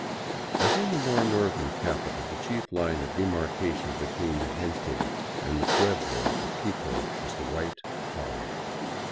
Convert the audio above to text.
As in the more north ern capital, the chief line of demarkation between the gente and the pueblo of Quito is the white collar.